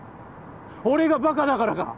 俺がバカだからか？